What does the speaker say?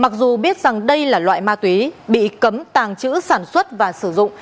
mặc dù biết rằng đây là loại ma túy bị cấm tàng trữ sản xuất và sử dụng